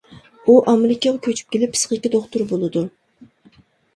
ئۇ ئامېرىكىغا كۆچۈپ كېلىپ، پىسخىكا دوختۇرى بولىدۇ.